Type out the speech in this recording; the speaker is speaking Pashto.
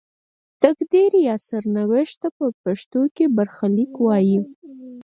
تقدیر یا سرنوشت ته په پښتو کې برخلیک وايي.